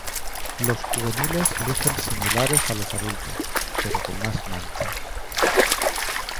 Los juveniles lucen similares a los adultos, pero con más manchas.